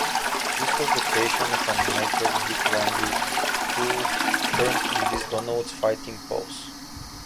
This was the creation of animator Dick Lundy who termed this Donald's fighting pose.